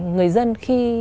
người dân khi